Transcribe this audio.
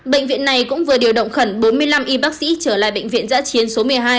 bệnh viện này cũng vừa điều động khẩn bốn mươi năm y bác sĩ trở lại bệnh viện giã chiến số một mươi hai